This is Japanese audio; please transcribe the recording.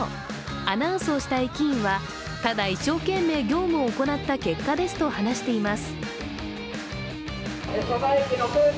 アナウンスをした駅員はただ、一生懸命業務を行った結果ですと話しています。